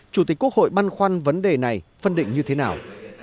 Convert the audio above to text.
chủ tịch quốc hội băn khoăn vấn đề này phân định như thế nào